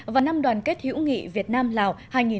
và năm đoàn kết hiễu nghị việt nam lào hai nghìn một mươi bảy